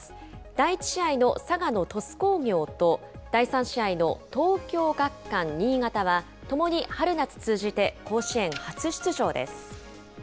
第１試合の佐賀の鳥栖工業と、第３試合の東京学館新潟は、ともに春夏通じて甲子園初出場です。